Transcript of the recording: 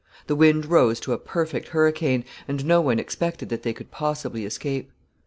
The wind rose to a perfect hurricane, and no one expected that they could possibly escape.